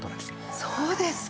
そうですか。